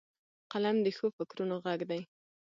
قلم د ښو فکرونو غږ دی